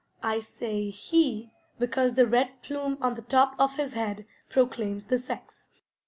I say "he" because the red plume on the top of his head proclaims the sex.